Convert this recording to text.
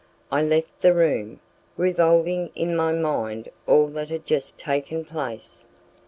I left the room, revolving in my mind all that had just taken place.